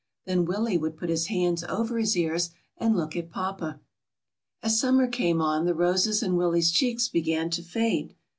Then Willie would put his hands over his ears and look at papa. As summer came on the roses in Willie^s cheeks began to fade.